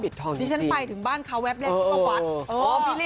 จีนไปถึงบ้านเค้าแว๊บเลขทั้งตัวขน